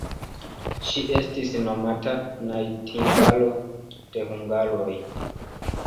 Ŝi estis nomata najtingalo de hungaroj.